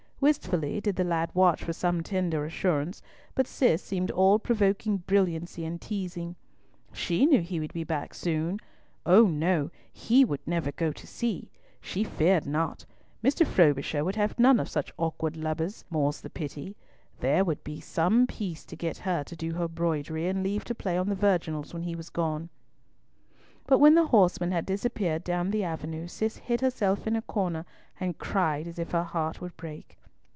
Wistfully did the lad watch for some such tender assurance, but Cis seemed all provoking brilliancy and teasing. "She knew he would be back over soon. Oh no, he would never go to sea! She feared not. Mr. Frobisher would have none of such awkward lubbers. More's the pity. There would be some peace to get to do her broidery, and leave to play on the virginals when he was gone." But when the horsemen had disappeared down the avenue, Cis hid herself in a corner and cried as if her heart would break.